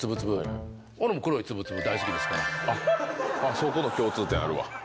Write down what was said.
そこの共通点あるわ。